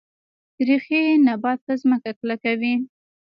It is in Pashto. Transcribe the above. ریښې نبات په ځمکه کلکوي